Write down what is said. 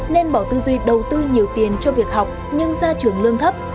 nên bỏ tư duy đầu tư nhiều tiền cho việc học nhưng ra trường lương thấp